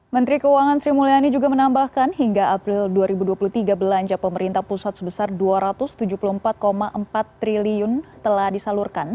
menteri keuangan sri mulyani juga menambahkan hingga april dua ribu dua puluh tiga belanja pemerintah pusat sebesar rp dua ratus tujuh puluh empat empat triliun telah disalurkan